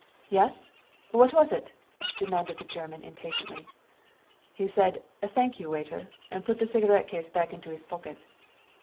"Yes; what was it?" demanded the German impatiently. "He said: 'Thank you, waiter!' and put the cigarette case back into his pocket!"